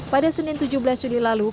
pada senin tujuh belas juli lalu